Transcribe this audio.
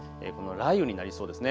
雷雨になりそうですね。